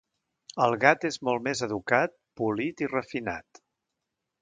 El gat és molt més educat, polit i refinat.